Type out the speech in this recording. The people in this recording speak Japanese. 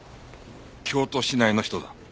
京都市内の人だ。